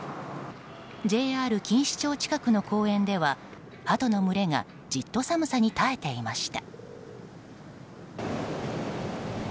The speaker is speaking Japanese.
ＪＲ錦糸町近くの公園ではハトの群れがじっと寒さに耐えていました。